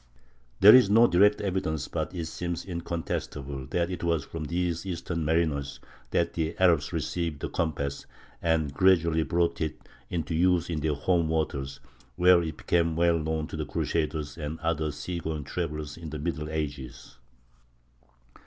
There is no direct evidence, but it seems incontestable, that it was from these eastern mariners that the Arabs received the compass, and gradually brought it into use in their home waters, where it became well known to the crusaders and other sea going travelers of the middle ages.